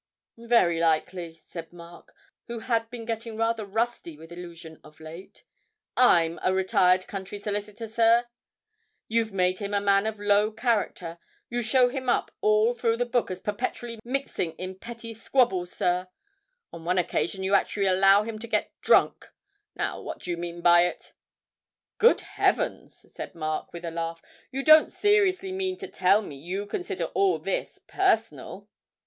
'Very likely,' said Mark, who had been getting rather rusty with 'Illusion' of late. 'I'm a retired country solicitor, sir! You've made him a man of low character; you show him up all through the book as perpetually mixing in petty squabbles, sir; on one occasion you actually allow him to get drunk Now what do you mean by it?' 'Good heavens,' said Mark, with a laugh, 'you don't seriously mean to tell me you consider all this personal?'